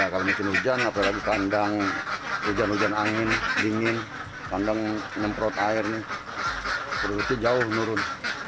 kalau musim hujan ya apalagi kandang hujan hujan angin dingin kandang memprot air berarti jauh menurun